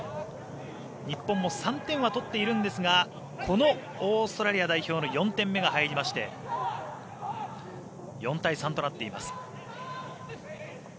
日本も３点は取っているんですがこのオーストラリア代表の４点目が入りまして４対３となっています。